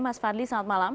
mas fadli selamat malam